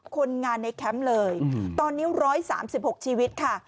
คนงานในแคมป์เลยอืมตอนนี้ร้อยสามสิบหกชีวิตค่ะ